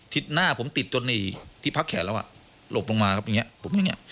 หน้าผมติดจนที่พักแขนแล้วอ่ะหลบลงมาครับอย่างนี้ผมอย่างนี้